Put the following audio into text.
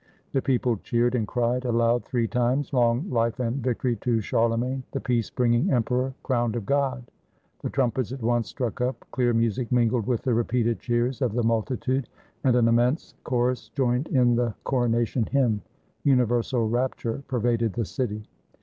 The people cheered, and cried aloud three times, "Long life and victory to Charlemagne, the peace bringing Emperor, crowned of God!" The trum pets at once struck up, clear music mingled with the repeated cheers of the multitude, and an immense cho rus joined in the coronation hymn. Universal rapture pervaded the city.